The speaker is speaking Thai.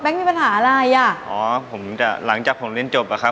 โอ๊ยปรึกษาฉันได้เถอะ